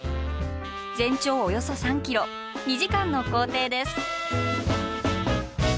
全長およそ３ｋｍ２時間の行程です。